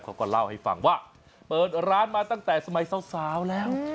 เขาก็เล่าให้ฟังว่าเปิดร้านมาตั้งแต่สมัยสาวแล้ว